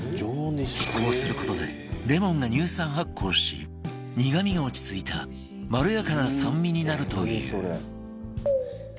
こうする事でレモンが乳酸発酵し苦みが落ち着いたまろやかな酸味になるという